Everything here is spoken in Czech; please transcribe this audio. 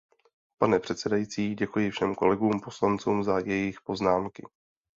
Pane předsedající, děkuji všem kolegům poslancům za jejich poznámky.